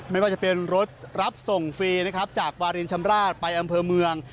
ไม่ว่าจะเป็นรถรับส่งฟรีนะครับจากวารินชำราบไปอำเภอเมือง